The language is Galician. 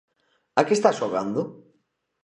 ¿A que está xogando?